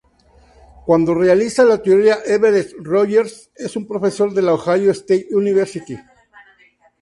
Cuando realiza la teoría Everett Rogers es un profesor de la Ohio State University.